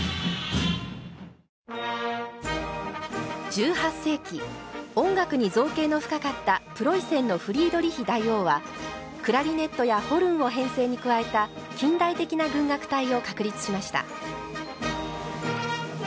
１８世紀音楽に造詣の深かったプロイセンのフリードリヒ大王はクラリネットやホルンを編成に加えた近代的な軍楽隊を確立しました。